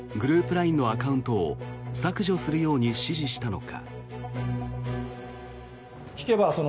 ＬＩＮＥのアカウントを削除するように指示したのか。